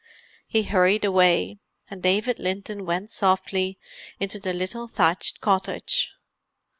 He hurried away, and David Linton went softly into the little thatched cottage.